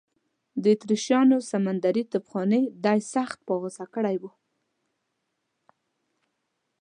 د اتریشیانو سمندري توپخانې دی سخت په غوسه کړی و.